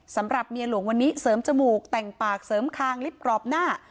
สำหรับเมียหลวงวันนี้เสริมจมูกแต่งปากเสริมคางลิฟต์กรอบหน้า